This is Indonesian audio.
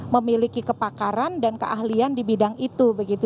memiliki kepakaran dan keahlian di bidang itu